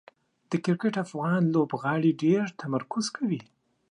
د کرکټ افغان لوبغاړي ډېر تمرکز کوي.